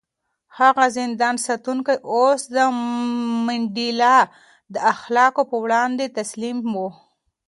هغه زندان ساتونکی اوس د منډېلا د اخلاقو په وړاندې تسلیم و.